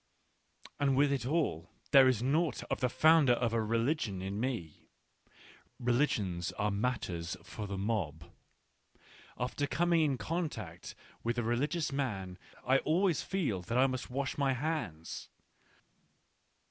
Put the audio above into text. And with it all there is nought of the founder of a religion in me. Re ligions are matters for the mob ; after coming in contact with a religious man, I always feel that I must wash my hands.